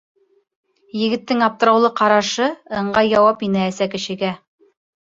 Егеттең аптыраулы ҡарашы ыңғай яуап ине әсә кешегә.